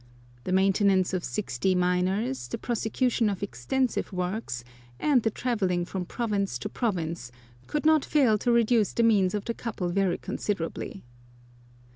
The mainten ance of sixty miners, the prosecution of extensive works, and the travelling from province to province, could not fail to reduce the means of the couple very considerably.